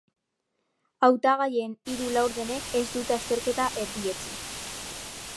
Hautagaien hiru laurdenek ez dute azterketa erdietsi.